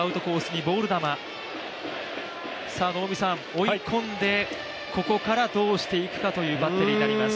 追いこんで、ここからどうしていくかというバッテリーになります。